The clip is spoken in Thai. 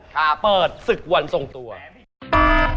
ค่ะเปิดศึกวันส่งตัวแสนพี่